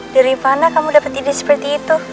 dari mana kamu dapat ide seperti itu